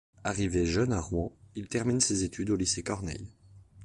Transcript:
Arrivé jeune à Rouen, il termine ses études au lycée Corneille.